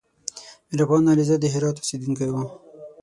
میرافغان علیزی د هرات اوسېدونکی و